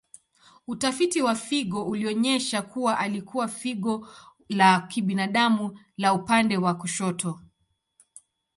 Utafiti wa figo ulionyesha kuwa ilikuwa figo la kibinadamu la upande wa kushoto.